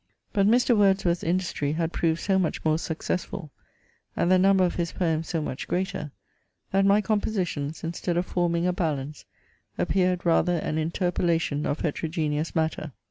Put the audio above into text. But Mr. Wordsworth's industry had proved so much more successful, and the number of his poems so much greater, that my compositions, instead of forming a balance, appeared rather an interpolation of heterogeneous matter.